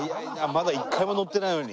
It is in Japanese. まだ１回も乗ってないのに。